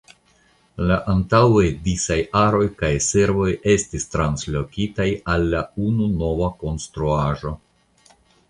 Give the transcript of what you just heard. La antaŭe disaj aroj kaj servoj estis translokitaj al unu nova konstruaĵo.